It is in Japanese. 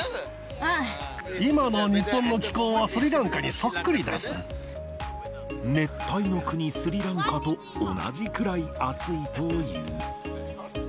今の日本の気候はスリランカ熱帯の国、スリランカと同じくらい暑いという。